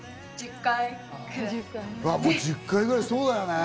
１０回ぐらいそうだよね。